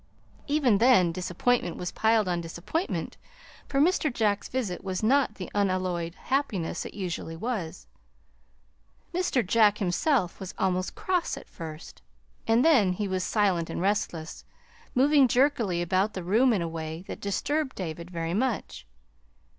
Even then disappointment was piled on disappointment, for Mr. Jack's visit was not the unalloyed happiness it usually was. Mr. Jack himself was almost cross at first, and then he was silent and restless, moving jerkily about the room in a way that disturbed David very much.